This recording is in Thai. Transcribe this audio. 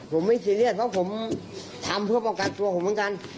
เพราะผมทำเพื่อป้องกันตัวผมเองกัน